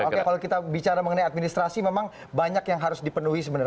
oke kalau kita bicara mengenai administrasi memang banyak yang harus dipenuhi sebenarnya